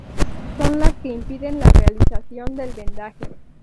Son las que impiden la realización del vendaje.